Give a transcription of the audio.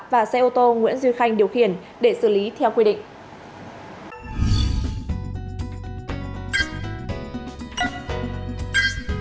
và xe ô tô nguyễn duy khanh điều khiển để xử lý theo quy định